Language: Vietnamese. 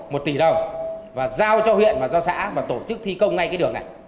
một tỷ đồng và giao cho huyện và do xã và tổ chức thi công ngay cái đường này